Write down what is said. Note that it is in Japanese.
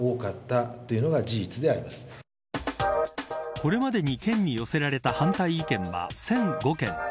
これまでに県に寄せられた反対意見は１００５件。